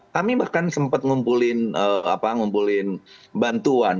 kami bahkan sempat ngumpulin bantuan